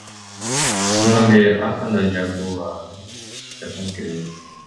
Ошондон бери ар кандай жабдууларды жасап келет.